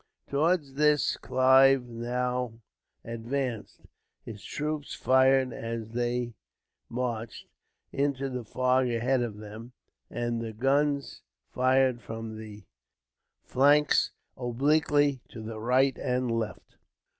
Towards this Clive now advanced, his troops firing, as they marched, into the fog ahead of them, and the guns firing from the flanks, obliquely, to the right and left.